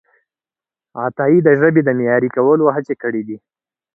عطایي د ژبې د معیاري کولو هڅې کړیدي.